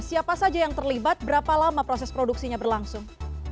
siapa saja yang terlibat berapa lama proses produksinya berlangsung